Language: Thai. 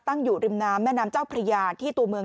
ตั้งอยู่ริมน้ำแม่น้ำเจ้าพระยาที่ตัวเมือง